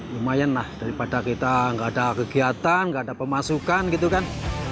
lumayan lah daripada kita nggak ada kegiatan nggak ada pemasukan gitu kan